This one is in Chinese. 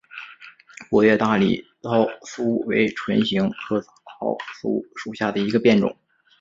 薄叶大理糙苏为唇形科糙苏属下的一个变种。